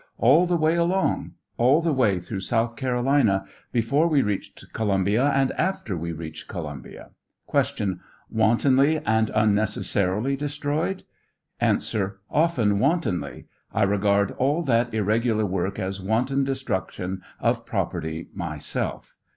All the way along ; all the way through South Carolina ; before we reached Columbia, and after we reached Columbia. Q. Wantonly and unnecessarily destroyed ? A. Often wantonly; I regard all that irregular work as wanton destruction of property, myself.